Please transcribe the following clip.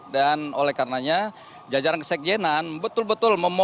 dan oleh karenanya jajaran kesekjenan betul betul memonitoring